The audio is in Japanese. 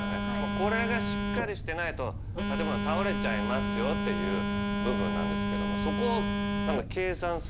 これがしっかりしてないと建物は倒れちゃいますよっていう部分なんですけどもそこを計算する構造っていうのを専攻してたんです